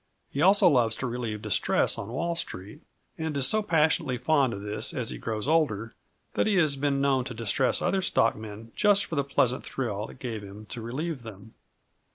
He also loves to relieve distress on Wall street, and is so passionately fond of this as he grows older that he has been known to distress other stock men just for the pleasant thrill it gave him to relieve them.